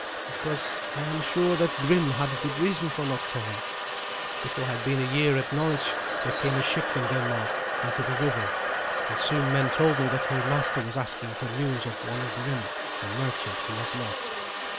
"Because I am sure that Grim had good reason for not telling. Before I had been a year at Norwich there came a ship from Denmark into the river, and soon men told me that her master was asking for news of one Grim, a merchant, who was lost.